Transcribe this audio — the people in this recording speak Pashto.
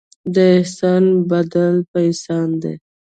د احسان بدله په احسان ده.